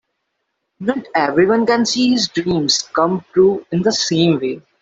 Not everyone can see his dreams come true in the same way.